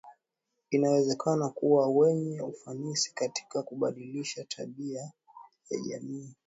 inaweza kuwa yenye ufanisi katika kubadilisha tabia ya jamii